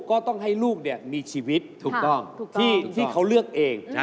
ก็ต้องให้ลูกมีชีวิตถูกต้องที่เขาเลือกเอง